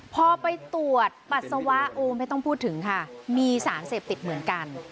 พอไปตรวจปัสสาวะโอ้ไม่ต้องพูดถึงค่ะมีสารเสพติดเหมือนกัน